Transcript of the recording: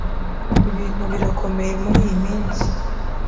Ibintu birakomeye muriyi minsi.